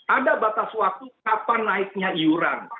ada batas waktu kapan naiknya iuran